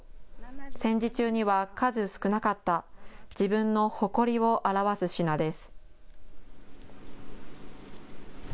戦時中には数少なかった自分の誇りを表す品です。